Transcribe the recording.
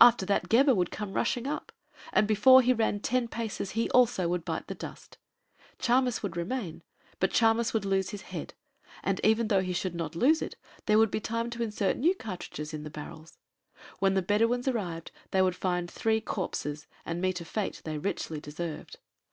After that, Gebhr would come rushing up, and before he ran ten paces he also would bite the dust. Chamis would remain. But Chamis would lose his head, and even though he should not lose it, there would be time to insert new cartridges in the barrels. When the Bedouins arrived, they would find three corpses, and meet a fate they richly deserved.